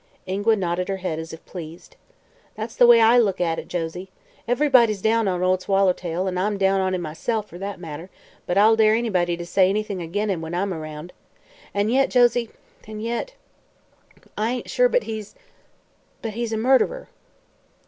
Ingua nodded her head as if pleased. "That's the way I look at it, Josie. Ev'rybody's down on Ol' Swallertail, an' I'm down on him myself, fer that matter; but I'll dare anybody to say anything ag'in him when I'm aroun'. An' yet, Josie an' yet I ain't sure but he's but he's a _murderer!"